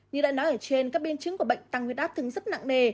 như đã nói ở trên các biến chứng của bệnh tăng huyết áp thường rất nặng nề